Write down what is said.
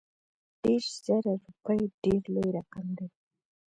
دېرش زره روپي ډېر لوی رقم دی.